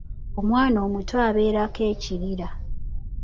Omwana omuto abeerako ekirira.